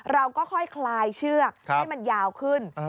เราก็ค่อยคลายเชือกให้มันยาวขึ้น